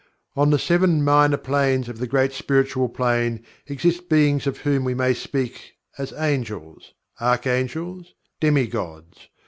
On the Seven Minor Planes of the Great Spiritual Plane exist Beings of whom we may speak as Angels; Archangels; Demi Gods.